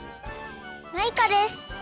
マイカです！